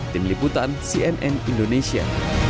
tim liputan cnn indonesia